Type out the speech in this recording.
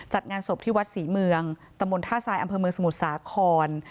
จัดงานศพที่วัดศรีเมืองตำบลท่าทรายอำเภอเมืองสมุทรสาคร